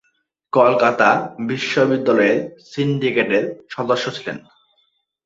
কলকাতা বিশ্ববিদ্যালয়ের সিন্ডিকেটের সদস্য ছিলেন।